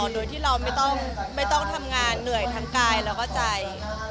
โดยที่เราไม่ต้องทำงานเหนื่อยทั้งกายแล้วก็ใจ